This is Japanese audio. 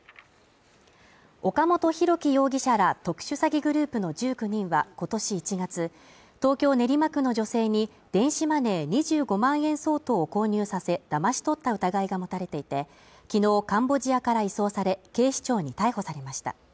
岡本大樹容疑者ら特殊詐欺グループの１９人は、今年１月東京練馬区の女性に電子マネー２５万円相当を購入させ、だまし取った疑いが持たれていて、昨日カンボジアから移送され、警視庁に逮捕されました。